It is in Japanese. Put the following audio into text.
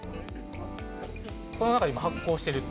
この中で今、発酵していると？